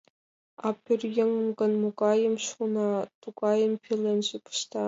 А пӧръеҥым гын, могайым шона, тугайым пеленже пышта.